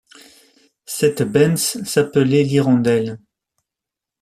Cette Benz s'appelait l'hirondelle.